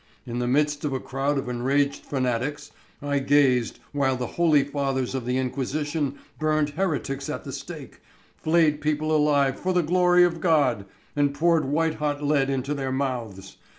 In the midst of a crowd of enraged fanatics I gazed whilst the holy fathers of the Inquisition burned heretics at the stake, flayed people alive for the glory of God, and poured white hot lead into their mouths.